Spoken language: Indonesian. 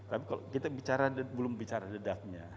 tapi kalau kita bicara belum bicara dedaknya